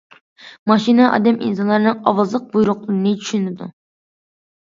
ماشىنا ئادەم ئىنسانلارنىڭ ئاۋازلىق بۇيرۇقلىرىنى چۈشىنىدۇ.